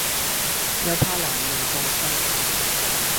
又怕難容在世